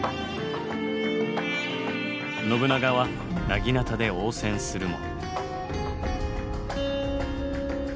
信長はなぎなたで応戦するも。